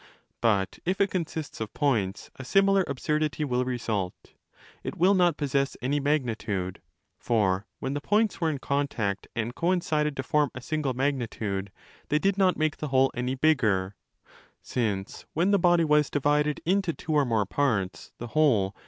But if it consists of points, a similar absurdity will result: it will not possess any magnitude. For when the points were in contact and coincided to form a single magnitude, they did not make the whole any bigger (since, when the body was divided into two or more parts, the whole?